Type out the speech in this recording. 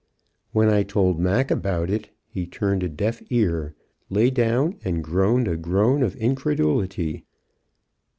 When I told Mac about it, he turned a deaf ear, lay down, and groaned a groan of incredulity.